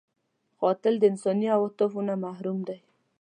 قاتل د انساني عاطفو نه محروم دی